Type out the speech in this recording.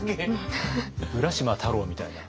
「浦島太郎」みたいな。